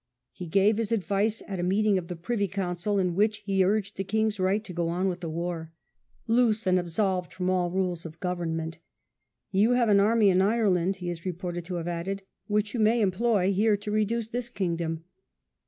He gave his advice at a meeting of the Privy Strafford's Council, in which he urged the king's right to programme, go on with the war, " loose and absolved from all rules of government". " You have an army in Ireland," he is reported to have added, " which you may employ here to reduce this kingdom."